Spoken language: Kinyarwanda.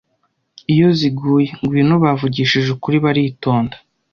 iyo ziguye ngwino bavugishije ukuri baritonda